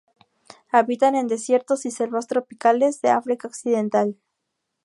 Habitan en desiertos y selvas tropicales de África Occidental.